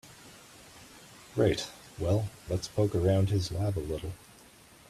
Right, well let's poke around his lab a little.